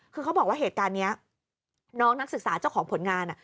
คือเขาบอกว่าเหตุการณ์นี้น้องนักศึกษาเจ้าของผลงาน